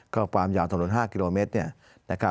ก็ความยาวถนน๕กิโลเมตร